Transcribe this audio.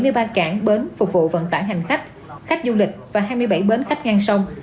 ngoài hóa bảy mươi ba cảng bến phục vụ vận tải hành khách khách du lịch và hai mươi bảy bến khách ngang sông